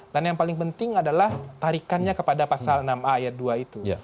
dan yang paling penting adalah tarikannya kepada pasal enam a ayat dua itu